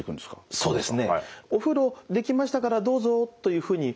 そうですね。